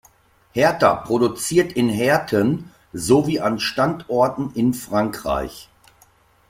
Herta produziert in Herten, sowie an Standorten in Frankreich.